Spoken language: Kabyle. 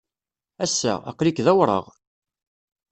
Ass-a, aql-ik d awraɣ.